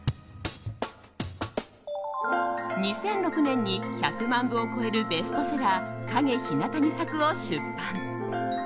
２００６年に１００万部を超えるベストセラー「陰日向に咲く」を出版。